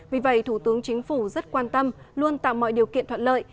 vì vậy thủ tướng chính phủ rất quan tâm luôn tạo mọi điều kiện thuận lợi